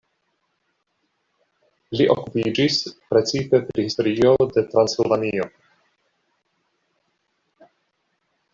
Li okupiĝis precipe pri historio de Transilvanio.